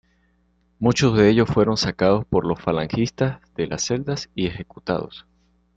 Muchos de ellos fueron sacados por los falangistas de las celdas y ejecutados.